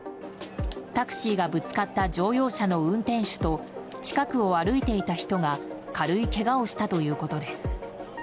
タクシーがぶつかった乗用車の運転手と近くを歩いていた人が軽いけがをしたということです。